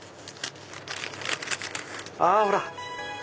あほら！